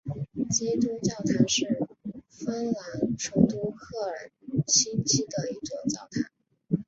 基督教堂是芬兰首都赫尔辛基的一座教堂。